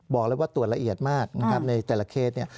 บอกเลยว่าตรวจละเอียดมากในแต่ละเคส